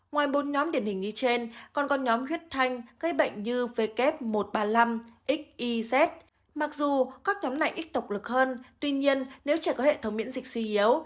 ngoài bốn nhóm điển hình như trên còn còn nhóm huyết thanh gây bệnh như w một trăm ba mươi năm x y z mặc dù các nhóm này ít tộc lực hơn tuy nhiên nếu trẻ có hệ thống miễn dịch suy yếu